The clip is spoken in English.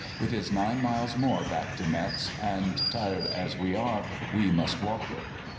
It is nine miles more back to Metz, and tired as we are, we must walk it.